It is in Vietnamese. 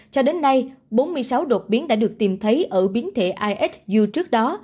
cho đến nay bốn mươi sáu đột biến đã được tìm thấy ở biến thể ihu trước đó